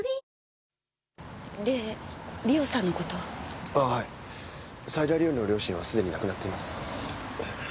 斎田梨緒の両親はすでに亡くなっています。